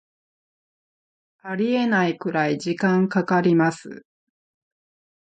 ありえないくらい時間かかります